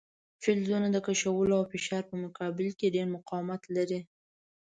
فلزونه د کشولو او فشار په مقابل کې ډیر مقاومت لري.